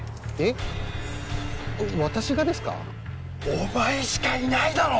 お前しかいないだろ！